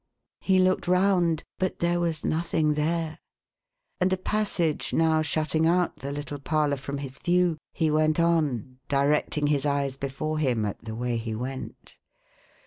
He looked round, but there was nothing there; and a passage now shutting out the little parlour from his view, he went on, directing his eyes before him at the way he went.